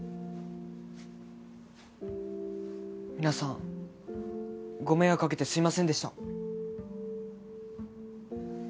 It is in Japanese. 皆さんご迷惑かけてすいませんでした。